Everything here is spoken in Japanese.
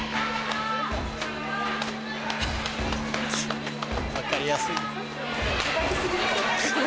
分かりやすい。